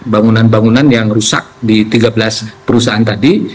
bangunan bangunan yang rusak di tiga belas perusahaan tadi